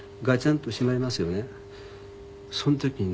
その時にね